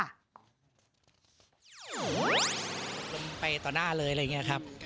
ลงไปต่อหน้าเลยอะไรอย่างนี้ครับ